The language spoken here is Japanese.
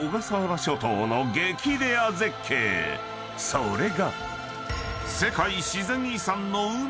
［それが］